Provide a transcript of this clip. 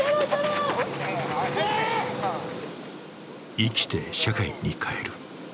生きて社会に帰る。